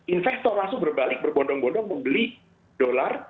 investor langsung berbalik berbondong bondong membeli dolar